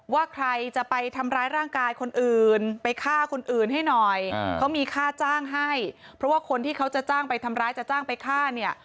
ว่าใครจะไปทำร้ายร่างกายคนอื่นไปฆ่าคนอื่นให้หน่อยเขามีค่าจ้างให้เพราะว่าคนที่เขาจะจ้างไปทำร้ายจะจ้างไปฆ่าเนี่ย